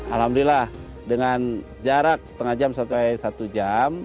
alhamdulillah dengan jarak setengah jam sampai satu jam